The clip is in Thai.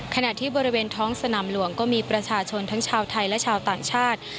ขณะที่บริเวณท้องสนามหลวงก็มีประชาชนทั้งชาวไทยและชาวต่างชาติ